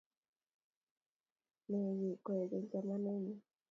Ii ne nyu koigeny chamanenyu